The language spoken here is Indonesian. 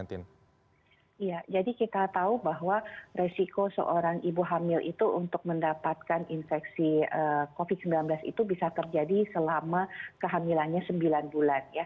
iya jadi kita tahu bahwa resiko seorang ibu hamil itu untuk mendapatkan infeksi covid sembilan belas itu bisa terjadi selama kehamilannya sembilan bulan ya